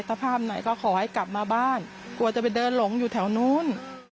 ถ้าภาพไหนก็ขอให้กลับมาบ้านกลัวจะไปเดินหลงอยู่แถวนู้น